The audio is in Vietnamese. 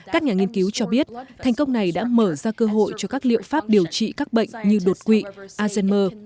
các nhà nghiên cứu cho biết thành công này đã mở ra cơ hội cho các liệu pháp điều trị các bệnh như đột quỵ azenmer